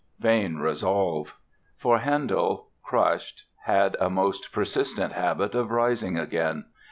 Vain resolve! For Handel, crushed, had a most persistent habit of rising again.